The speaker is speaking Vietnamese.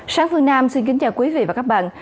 sáng phương nam xin kính chào quý vị và các bạn